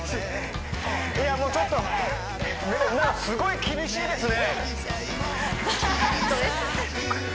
いやもうちょっとすごい厳しいですね